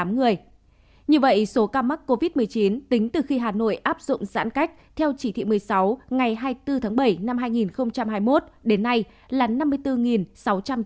như vậy số ca mắc covid một mươi chín tính từ khi hà nội áp dụng giãn cách theo chỉ thị một mươi sáu ngày hai mươi bốn tháng bảy năm hai nghìn hai mươi một đến nay là năm mươi bốn sáu trăm tám mươi ca